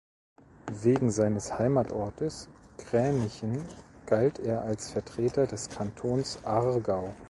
Wegen seines Heimatortes Gränichen galt er als Vertreter des Kantons Aargau.